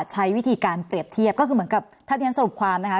ใช้วิธีการเปรียบเทียบก็คือเหมือนกับถ้าที่ฉันสรุปความนะคะ